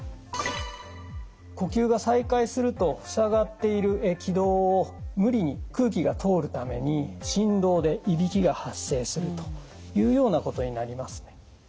呼吸が再開するとふさがっている気道を無理に空気が通るために振動でいびきが発生するというようなことになりますね。